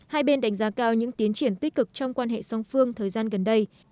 hai bên đánh giá cao những tiến triển tích cực trong quan hệ song phương thời gian gần đây